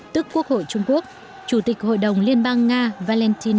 tức quốc hội trung quốc chủ tịch hội đồng liên bang nga